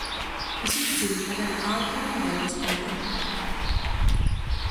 ისინი ძირითადად ალპური მდელოს კომპონენტებია.